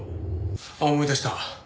あっ思い出した。